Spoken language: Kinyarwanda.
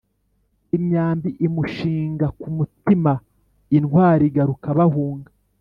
Imyambi imushinga ku mutimaIntwari igaruka bahunga